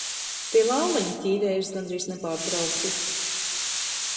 Tie lauleņi ķīvējas gandrīz nepārtraukti.